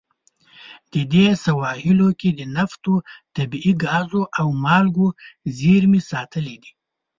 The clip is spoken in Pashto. د دې سواحلو کې د نفتو، طبیعي ګازو او مالګو زیرمې ساتلې دي.